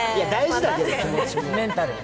メンタル。